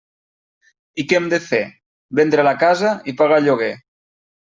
I què hem de fer: vendre la casa i pagar lloguer.